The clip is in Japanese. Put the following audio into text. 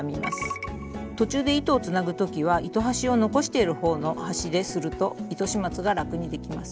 途中で糸をつなぐ時は糸端を残してるほうの端ですると糸始末が楽にできます。